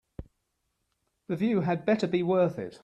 The view had better be worth it.